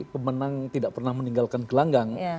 pemenang tidak pernah meninggalkan gelanggang